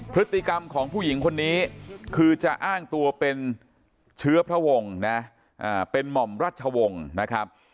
พฤติกรรมของผู้หญิงคนนี้คือจะอ้างตัวเป็นเชื้อพระวงศ์นะเป็นหม่อมรัชวงศ์นะครับ